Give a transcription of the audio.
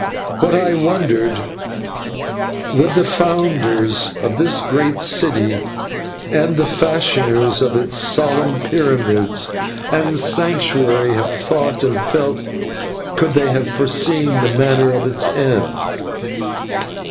What, I wondered, would the founders of this great city and the fashioners of its solemn pyramids and Sanctuary have thought and felt, could they have foreseen the manner of its end?